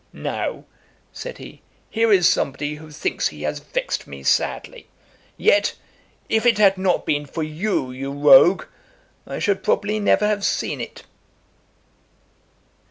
'Now (said he) here is somebody who thinks he has vexed me sadly; yet, if it had not been for you, you rogue, I should probably never have seen it.'